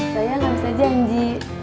sayang gak bisa janji